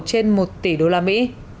trên một tỷ đô la mỹ